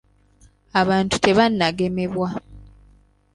Abantu tebannagemebwa.